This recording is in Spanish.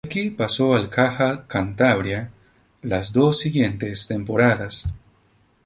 De aquí pasó al Caja Cantabria las dos siguientes temporadas.